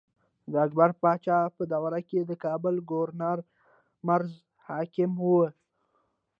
د اکبر باچا په دور کښې د کابل ګورنر مرزا حکيم وو۔